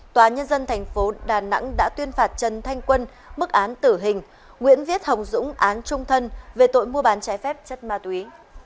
tòa nhân dân thành phố đà nẵng đã tuyên phạt trần thanh quân mức án tử hình nguyễn viết hồng dũng án trung thân về tội mua bán trái phép chất ma túy